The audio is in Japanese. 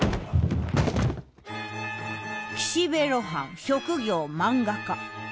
岸辺露伴職業漫画家。